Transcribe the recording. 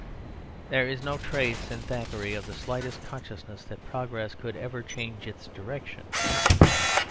There is no trace in Thackeray of the slightest consciousness that progress could ever change its direction.